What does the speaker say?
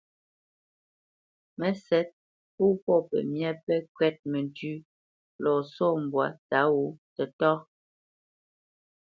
Mə́sɛ̌t pô pɔ̂ pəmyá pɛ́ kwɛ́t məntʉ́ʉ́ lɔ sɔ̂ mbwǎ tǎ wǒ tətáá.